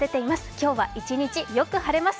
今日は一日、よく晴れます。